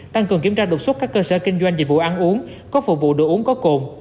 tăng cường kiểm tra đột xuất các cơ sở kinh doanh dịch vụ ăn uống có phục vụ đồ uống có cồn